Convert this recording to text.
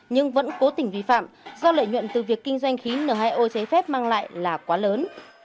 nhưng vẫn cố tình vi phạm do lợi nhuận từ việc kinh doanh khí n hai o cháy phép mang lại là quá lớn